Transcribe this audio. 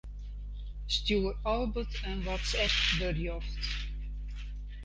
Stjoer Albert in WhatsApp-berjocht.